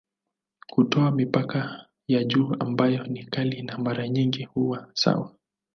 Hutoa mipaka ya juu ambayo ni kali na mara nyingi huwa sawa.